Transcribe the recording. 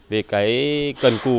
về cái cần cù